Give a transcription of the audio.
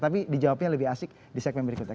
tapi dijawabnya lebih asik di segmen berikutnya